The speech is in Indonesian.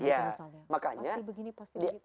ya makanya pasti begini pasti begitu